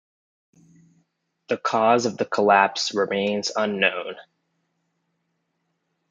The cause of the collapse remains unknown.